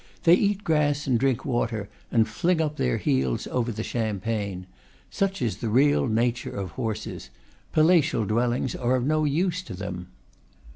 They eat grass and drink water, and fling up their heels over the champaign. Such is the real nature of horses. Palatial dwellings are of no use to them.